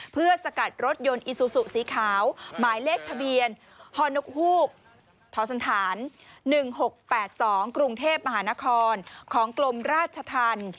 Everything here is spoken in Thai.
เพื่อสกัดรถยนต์อีซูซูสีขาวหมายเลขทะเบียนฮนกฮูกทศ๑๖๘๒กรุงเทพมหานครของกลมราชธรรม